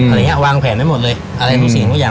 คนนี้วางแผนให้หมดเลยอะไรโดยสินตัวอย่าง